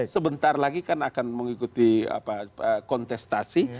sebentar lagi kan akan mengikuti kontestasi